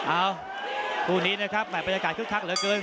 เอ้าคู่นี้นะครับบรรยากาศคึกคักเหลือเกิน